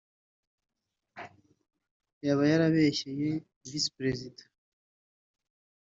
yaba yarabeshyeye Visi Perezida